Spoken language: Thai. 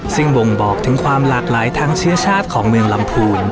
ซึ่งบ่งบอกถึงความหลากหลายทั้งเชื้อชาติของเมืองลำพูน